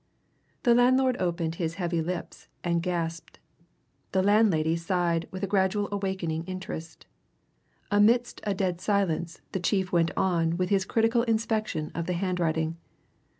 The landlord opened his heavy lips and gasped: the landlady sighed with a gradually awakening interest. Amidst a dead silence the chief went on with his critical inspection of the handwriting.